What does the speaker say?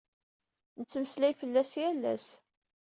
Nettemmeslay fell-as yal ass.